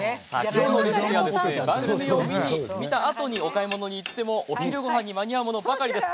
今日のレシピは番組を見たあとにお買い物に行ってもお昼ごはんに間に合うものばかりです。